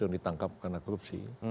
yang pbb itu ditangkap karena korupsi